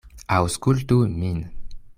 Aŭskultu min.